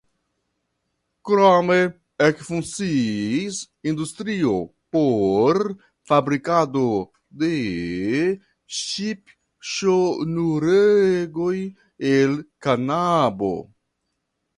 Krome ekfunkciis industrio por fabrikado de ŝipŝnuregoj el kanabo.